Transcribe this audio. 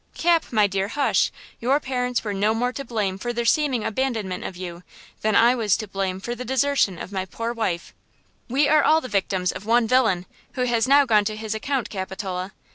"Cap, my dear, hush! Your parents were no more to blame for their seeming abandonment of you, than I was to blame for the desertion of my poor wife. We are all the victims of one villain, who has now gone to his account, Capitola.